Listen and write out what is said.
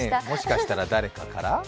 もしかしたら誰かから？